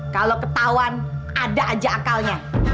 kalau ketauan ada aja akal lainnya